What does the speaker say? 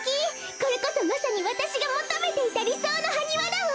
これこそまさにわたしがもとめていたりそうのハニワだわ！